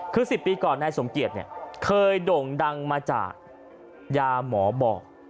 คือ๑๐ปีก่อนนายสมเกียจเนี่ยเคยโด่งดังมาจากยาหมอบอก